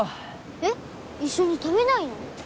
えっ一緒に食べないの？